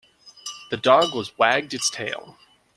The dog was wagged its tail.